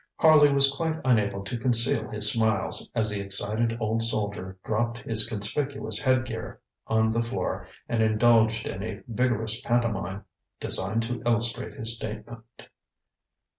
ŌĆØ Harley was quite unable to conceal his smiles as the excited old soldier dropped his conspicuous head gear on the floor and indulged in a vigorous pantomime designed to illustrate his statement.